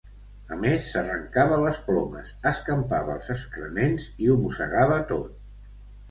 A més s'arrencava les plomes, escampava els excrements i ho mossegava tot.